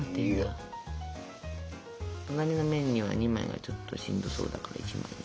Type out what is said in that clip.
隣の面には２枚はちょっとしんどそうだから１枚にして。